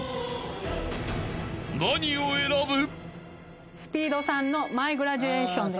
［何を選ぶ？］